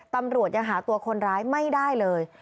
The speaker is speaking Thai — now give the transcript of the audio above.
ตำรวจยังหาตัวคนร้ายไม่ได้เลย